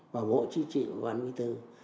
bảo bộ chính trị bảo bán vi tư